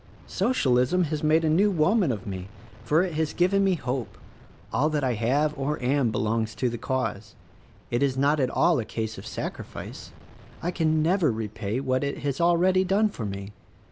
Socialism has made a new woman of me, for it has given me hope: all THE RECORDING AXGEL 101 that I have or am belongs to the Cause. It is not at all a case of sacrifice: I can never repay what it has already done for me.